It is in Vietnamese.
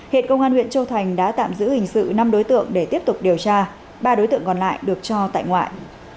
hiện công an huyện châu thành đã tạm giữ hình sự năm đối tượng để tiếp tục điều tra ba đối tượng còn lại được cho tại ngoại